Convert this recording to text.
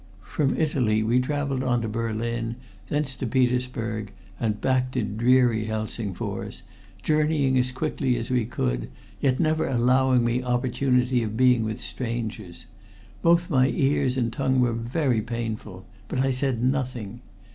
"From Italy we traveled on to Berlin, thence to Petersburg, and back to dreary Helsingfors, journeying as quickly as we could, yet never allowing me opportunity of being with strangers. Both my ears and tongue were very painful, but I said nothing.